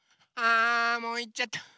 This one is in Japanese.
あもういっちゃった。